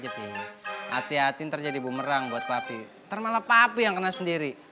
pernah malah papi yang kena sendiri